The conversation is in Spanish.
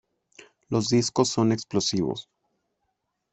Los discos son explosivos.